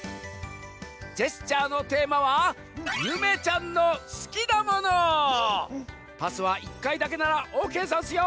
ジェスチャーのテーマはパスは１かいだけならオーケーざんすよ。